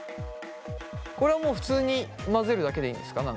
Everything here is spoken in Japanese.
これはもう普通に混ぜるだけでいいんですか？